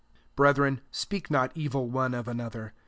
11 Brethren, speak not evil one of another.